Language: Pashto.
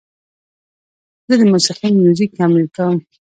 زه د موسیقۍ میوزیک تمرین کوم.